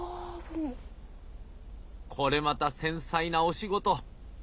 これまた繊細なお仕事。